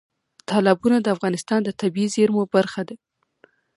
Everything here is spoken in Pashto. تالابونه د افغانستان د طبیعي زیرمو برخه ده.